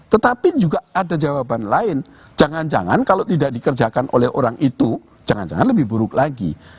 tetapi juga ada jawaban lain jangan jangan kalau tidak dikerjakan oleh orang itu jangan jangan lebih buruk lagi